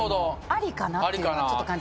ありかなっていうのはちょっと。